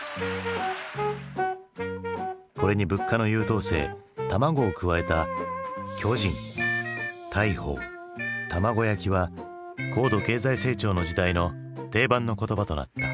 これに物価の優等生卵を加えた「巨人・大鵬・卵焼き」は高度経済成長の時代の定番の言葉となった。